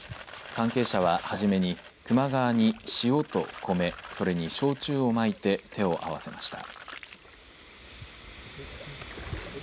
関係者は、はじめに球磨川に塩と米それに焼酎をまいて手を合わせました。